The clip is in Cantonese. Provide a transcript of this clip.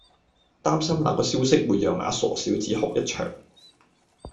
擔心那個消息會讓那傻小子哭一場